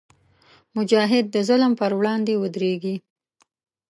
مجاهد د ظلم پر وړاندې ودریږي.